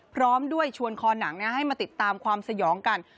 พร้อมด้วยชวนคอหนังให้มาติดตามความสยองกัน